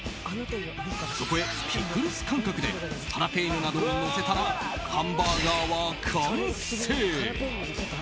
そこへピクルス感覚でハラペーニョなどをのせたらハンバーガーは完成。